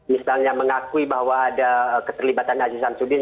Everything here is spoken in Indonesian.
misalnya mengakui bahwa ada keterlibatan aziz samsudin